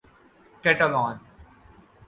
Catalan